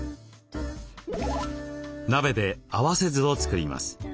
鍋で合わせ酢をつくります。